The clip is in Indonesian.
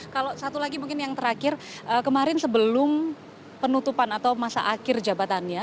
kalau satu lagi mungkin yang terakhir kemarin sebelum penutupan atau masa akhir jabatannya